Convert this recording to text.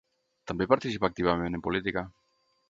També participà activament en política.